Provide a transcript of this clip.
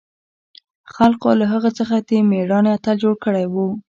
خلقو له هغه څخه د مېړانې اتل جوړ کړى و.